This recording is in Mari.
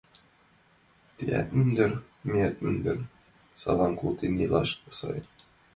Теат мӱндыр, меат мӱндыр Салам колтен илаш сай.